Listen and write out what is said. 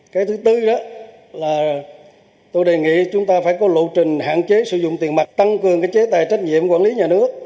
cái thứ tư là tôi đề nghị chúng ta phải có lộ trình hạn chế sử dụng tiền mặt tăng cường cái chế tài trách nhiệm quản lý nhà nước